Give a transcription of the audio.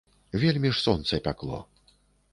Вельмі ж сонца пякло.